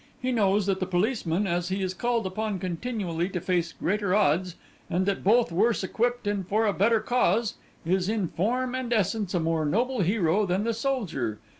He knows that the policeman, as he is called upon continually to face greater odds, and that both worse equipped and for a better cause, is in form and essence a more noble hero than the soldier.